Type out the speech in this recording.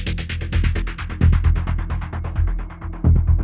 มีเวลาถ้าเราไม่ให้การคุณโดยความทรัพย์